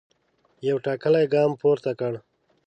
یو ټاکلی ګام پورته کړ.